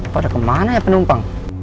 kau ada kemana ya penumpang